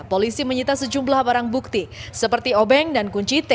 polisi menyita sejumlah barang bukti seperti obeng dan kunci t